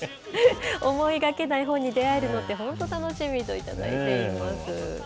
思いがけない本に出会えるのって本当楽しみと頂いています。